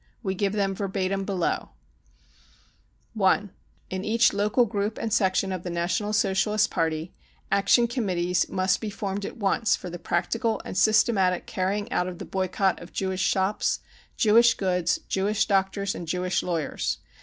We give them verbatim below : (1) In each local group and section of the National Socialist Party, Action Committees must be formed at once for the practical and systematic carrying out of the boycott of Jewish shops, Jewish goods, Jewish doctors and Jewish lawyers.